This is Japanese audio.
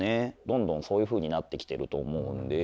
どんどんそういうふうになってきてると思うんで。